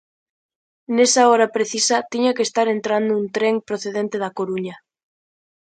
Nesa hora precisa tiña que estar entrando un tren procedente da Coruña.